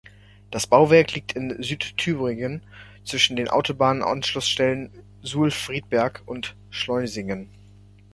Das Bauwerk liegt in Südthüringen zwischen den Autobahnanschlussstellen Suhl-Friedberg und Schleusingen.